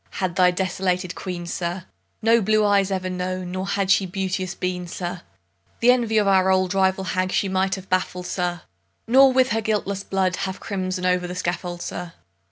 had thy desolated Queen, sir, No blue eyes ever known, nor had she beauteous been, sir, The envy of our old rival hag she might have baffled, sir, Nor with her guiltless blood have crimson'd o'er the scaffold, sir.